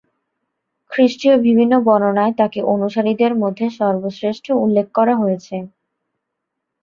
খ্রিষ্টীয় বিভিন্ন বর্ণনায় তাঁকে অনুসারীদের মধ্যে সর্বশ্রেষ্ঠ উল্লেখ করা হয়েছে।